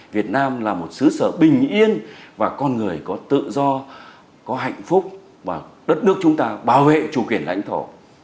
việt nam là một xứ sở bình yên và con người có tự do có hạnh phúc và đất nước chúng ta bảo vệ chủ quyền lãnh thổ